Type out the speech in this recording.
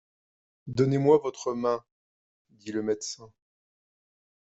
Donnez-moi votre main, dit le médecin.